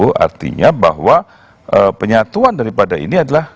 artinya bahwa penyatuan daripada ini adalah